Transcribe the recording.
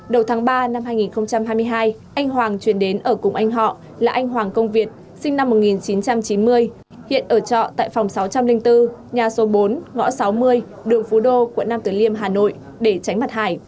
đầu tháng ba năm hai nghìn hai mươi hai anh hoàng chuyển đến ở cùng anh họ là anh hoàng công việt sinh năm một nghìn chín trăm chín mươi hiện ở trọ tại phòng sáu trăm linh bốn nhà số bốn ngõ sáu mươi đường phú đô quận nam tử liêm hà nội để tránh mặt hải